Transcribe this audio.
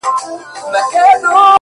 o په وينو لژنده اغيار وچاته څه وركوي ـ